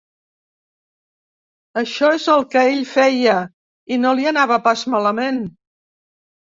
Això és el que ell feia, i no li anava pas malament.